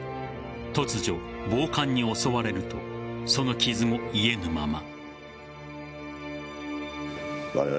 突如、暴漢に襲われるとその傷も癒えぬまま。